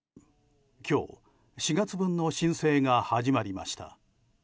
今日、４月分の申請が始まりました。